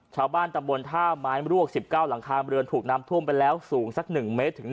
จะระทบจากน้ำท่วงแล้วคือ